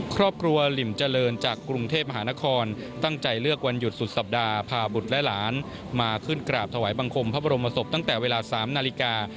ครอบครัวหลิ่มเจริญจากกรุงเทพมหานครตั้งใจเลือกวันหยุดสุดสัปดาห์พาบุตรและหลานมาขึ้นกราบถวายบังคมพระบรมศพตั้งแต่เวลา๓นาฬิกา